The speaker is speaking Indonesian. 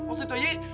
untuk itu aja